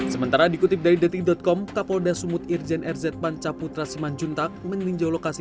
sementara dikutip dari detik com kapolda sumut irjen rz pancaputra siman juntak meninjau lokasi